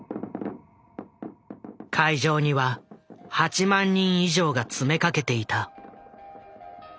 会場には８万人以上が詰めかけていた。